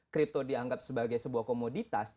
kripto dianggap sebagai sebuah komoditas